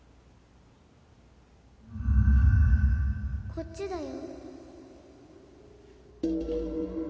・こっちだよ。